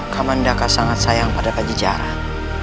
kamandaka sangat sayang pada pajejaran